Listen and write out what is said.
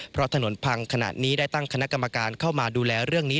เพราะถนนพังขนาดนี้ได้ตั้งคณะกรรมการเข้ามาดูแลเรื่องนี้